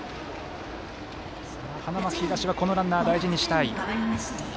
花巻東はこのランナー大事にしたい。